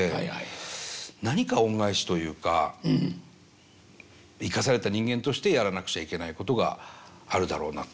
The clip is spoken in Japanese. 何か恩返しというか生かされた人間としてやらなくちゃいけないことがあるだろうなと。